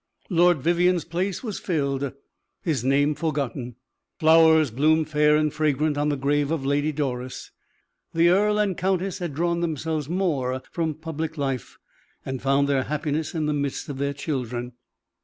Lord Vivianne's place was filled, his name forgotten; flowers bloomed fair and fragrant on the grave of Lady Doris; the earl and countess had drawn themselves more from public life, and found their happiness in the midst of their children.